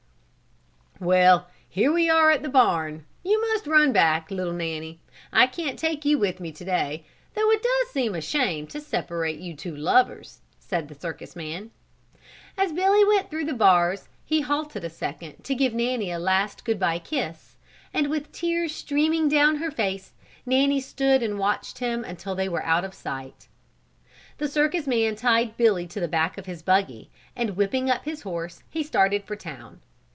"Well, here we are at the barn, you must run back, little Nanny; I can't take you with me to day, though it does seem a shame to separate you two lovers," said the circus man. As Billy went through the bars he halted a second to give Nanny a last good bye kiss; and with the tears streaming down her face, Nanny stood and watched him until they were out of sight. The circus man tied Billy to the back of his buggy and whipping up his horse he started for town.